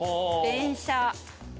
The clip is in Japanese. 電車。